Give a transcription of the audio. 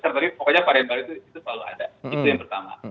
tetapi pokoknya varian baru itu selalu ada itu yang pertama